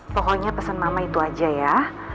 pokoknya pesan mama itu aja ya